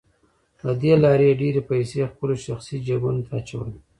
له دې لارې يې ډېرې پيسې خپلو شخصي جيبونو ته اچولې.